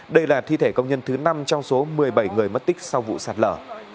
đây là thi thể công nhân thứ năm trong số một mươi bảy người mất tích sau vụ sạt lở